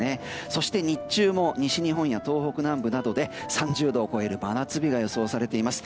そして日中も西日本や東北南部などで３０度を超える真夏日が予想されています。